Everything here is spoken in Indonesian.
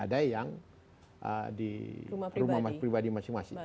ada yang di rumah pribadi masing masing